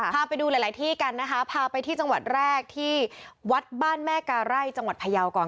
พาไปดูหลายที่กันนะคะพาไปที่จังหวัดแรกที่วัดบ้านแม่กาไร่จังหวัดพยาวก่อน